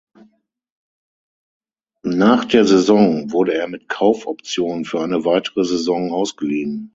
Nach der Saison wurde er mit Kaufoption für eine weitere Saison ausgeliehen.